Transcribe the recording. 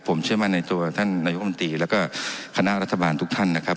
ผมเชื่อมั่นในตัวท่านนายกรรมตรีแล้วก็คณะรัฐบาลทุกท่านนะครับ